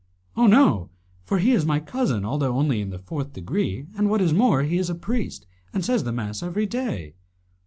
"Oh, no! for he is my cousin, although only in the fourth degree, and, what is more, he is a priest and says the mass every day."